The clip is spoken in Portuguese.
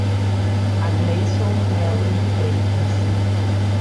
Agleilson Melo de Freitas